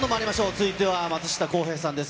続いては松下洸平さんです。